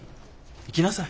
行きなさい。